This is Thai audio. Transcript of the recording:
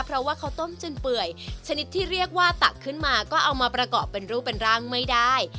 เพราะว่าเขาต้มจนเปื่อยชนิดที่เรียกว่าตักขึ้นมาก็เอามาประกอบเป็นรูปเป็นร่างไม่ได้